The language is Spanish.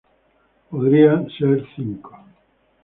Podría ser cinco.